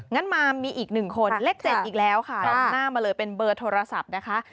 งั้นมามีอีก๑คนเลข๗อีกแล้วค่ะตรงหน้ามาเลยเป็นเบอร์โทรศัพท์นะคะ